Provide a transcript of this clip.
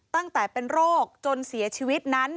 ตั้งแต่เป็นโรคจนเสียชีวิตนั้น